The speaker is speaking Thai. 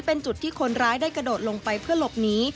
เป็นจุดที่คนร้ายได้กระโดดลงไปเพื่อหลบหนี